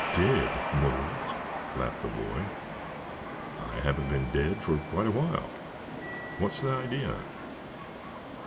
"Dead? No," laughed the boy. "I haven't been dead for quite a while. What's the idea?"